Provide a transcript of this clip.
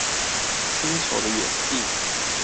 星球的遠近